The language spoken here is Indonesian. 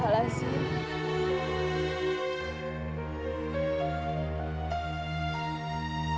aku makso segera ye